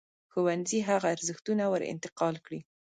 ښوونځی هغه ارزښتونه ور انتقال کړي.